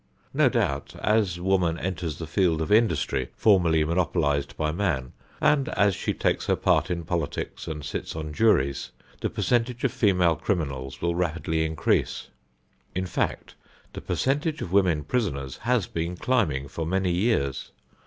No doubt as woman enters the field of industry formerly monopolized by man, and as she takes her part in politics and sits on juries, the percentage of female criminals will rapidly increase. In fact, the percentage of women prisoners has been climbing for many years.